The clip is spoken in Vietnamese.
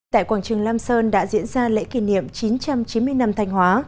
tại quảng trường lam sơn đã diễn ra lễ kỷ niệm chín trăm chín mươi năm thanh hóa